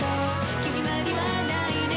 「決まりはないね」